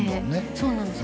そうなんです